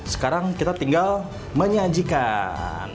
sekarang kita tinggal menyajikan